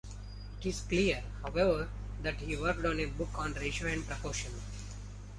It is clear, however, that he worked on a book on ratio and proportion.